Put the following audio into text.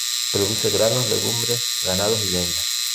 Produce granos, legumbres, ganados y leña".